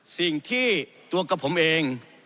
สิ่งที่ตัวกับผมเอง